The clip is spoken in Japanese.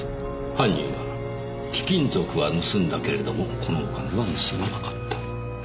犯人は貴金属は盗んだけれどもこのお金は盗まなかった。